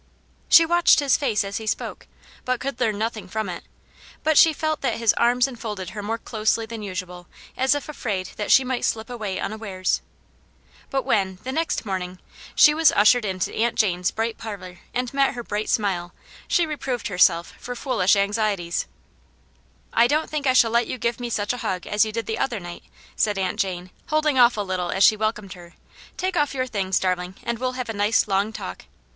She watched his face as he spoke, but could learn nothing from it, but she felt that his arms enfolded her more closely than usual, as if afraid that she might slip away unawares. But when, the next morning, she was ushered into Aunt Jane's bright 236 Aunt Janets Hero. parlour, and met her bright smile, she reproved her self for foolish anxieties. " I don't think I shall let you give me such a hug as you did the other night," said Aunt Jane, holding off a little as she welcomed her. "Take off your things, darling, and we'll have a nice long talk.